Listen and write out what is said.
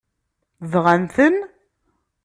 Bɣan-ten?